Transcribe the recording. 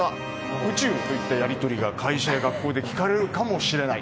宇宙といったやり取りが会社や学校で聞かれるかもしれない。